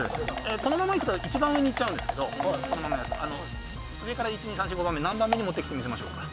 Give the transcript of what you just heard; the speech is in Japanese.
このままいくと一番上にいっちゃうんですけど何番目に持ってきてみせましょうか。